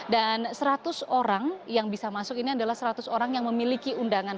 dan seratus orang yang bisa masuk ini adalah seratus orang yang memiliki undangan